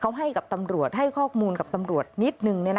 เขาให้กับตำรวจให้ข้อมูลกับตำรวจนิดนึง